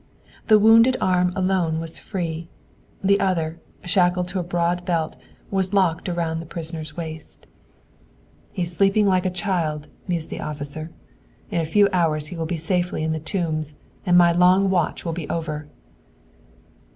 The wounded arm alone was free; the other, shackled to a broad belt, was locked around the prisoner's waist. "He is sleeping like a child," mused the officer. "In a few hours he will be safely in the Tombs, and my long watch will be over!"